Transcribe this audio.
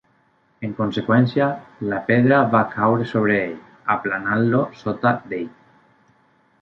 En conseqüència, la pedra va caure sobre ell, aplanant-lo sota d'ell.